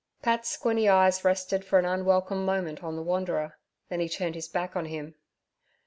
Pat's squinny eyes rested for an unwelcome moment on the wanderer, then he turned his back on him.